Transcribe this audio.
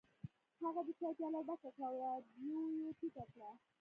هغه د چای پیاله ډکه کړه او رادیو یې ټیټه کړه